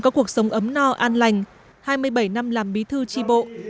cho họ an lành hai mươi bảy năm làm bí thư chi bộ